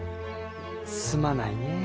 すまないねえ。